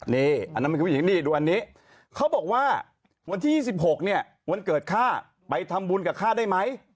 นี่อันนั้นมันคือผู้หญิงนี่ดูอันนี้เขาบอกว่าวันที่๒๖เนี่ยวันเกิดข้าไปทำบุญกับข้าได้ไหม